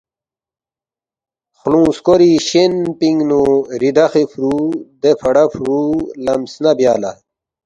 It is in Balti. “ خلُونگ سکوری شین پِنگ نُو ریدخی فُرو، دے فڑا فُرو لم سنہ بیا لہ